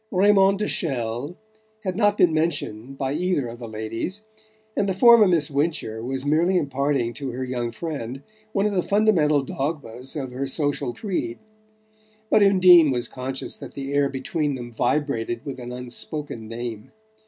Raymond de Chelles had not been mentioned by either of the ladies, and the former Miss Wincher was merely imparting to her young friend one of the fundamental dogmas of her social creed; but Undine was conscious that the air between them vibrated with an unspoken name.